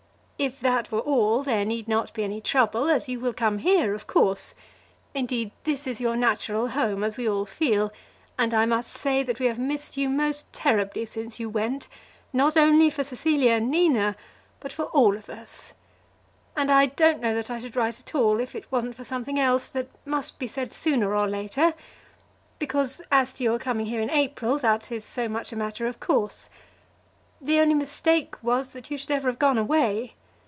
If that were all, there need not be any trouble, as you will come here, of course. Indeed, this is your natural home, as we all feel; and I must say that we have missed you most terribly since you went, not only for Cecilia and Nina, but for all of us. And I don't know that I should write at all if it wasn't for something else, that must be said sooner or later; because, as to your coming here in April, that is so much a matter of course. The only mistake was, that you should ever have gone away.